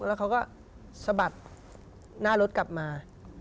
แล้วเขาก็สะบัดหน้ารถกลับมา